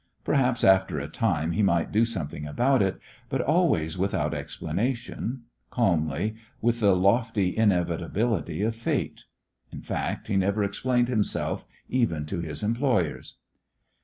Perhaps after a time he might do something about it, but always without explanation, calmly, with the lofty inevitability of fate. In fact, he never explained himself, even to his employers.